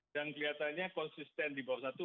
dan kelihatannya konsisten di bawah satu